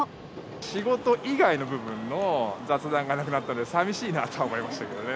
仕事以外の部分の雑談がなくなったんで、さみしいなとは思いましたけどね。